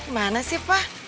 mana sih pak